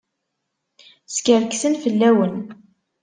Skerksen fell-awen.